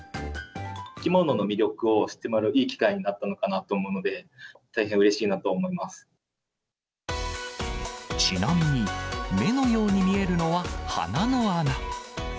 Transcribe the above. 生き物の魅力を知ってもらういい機会になったのかなと思うのちなみに、目のように見えるのは鼻の穴。